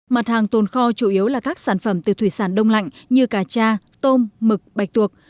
mặt hàng tồn kho chủ yếu là các sản phẩm từ thủy sản đông lạnh như cà cha tôm mực bạch tuộc